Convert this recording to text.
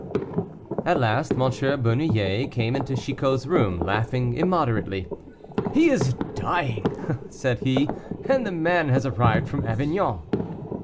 At last M. Bernouillet came into Chicot's room, laughing immoderately. "He is dying," said he, "and the man has arrived from Avignon."